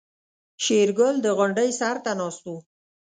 شېرګل د غونډۍ سر ته ناست و.